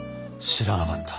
知らなかった。